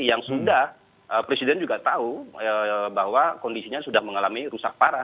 yang sudah presiden juga tahu bahwa kondisinya sudah mengalami rusak parah